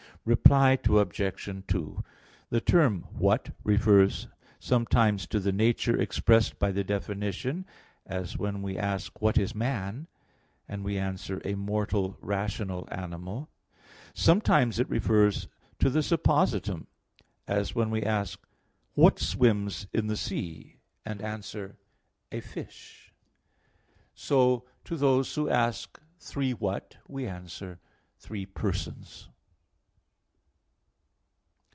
Reply Obj. 2: The term "what" refers sometimes to the nature expressed by the definition, as when we ask; What is man? and we answer: A mortal rational animal. Sometimes it refers to the suppositum, as when we ask, What swims in the sea? and answer, A fish. So to those who ask, Three what? we answer, Three persons.